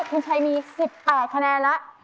คุณชัยมี๑๘คะแนนแล้ว